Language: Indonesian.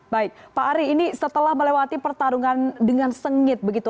baik pak ari ini setelah melewati pertarungan dengan sengit begitu